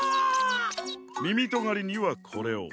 みみとがりにはこれを。